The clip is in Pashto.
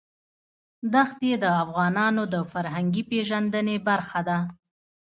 دښتې د افغانانو د فرهنګي پیژندنې برخه ده.